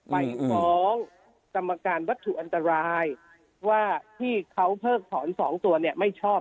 ไปฟ้องกรรมการวัตถุอันตรายว่าที่เขาเพิกถอนสองตัวเนี่ยไม่ชอบ